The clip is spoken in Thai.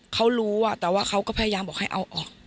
เขารู้แต่ว่าเขาก็พยายามบอกให้เอาออก